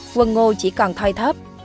quân ngô chỉ còn thoi thấp